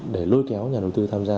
để lôi kéo nhà đầu tư tham gia